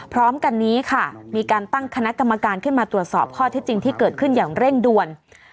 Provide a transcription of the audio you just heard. พร้อมกันนี้ค่ะมีการตั้งคณะกรรมการขึ้นมาตรวจสอบข้อที่จริงที่เกิดขึ้นอย่างเร่งด่วน